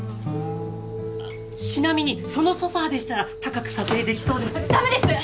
あっちなみにそのソファーでしたら高く査定できそうですダメです！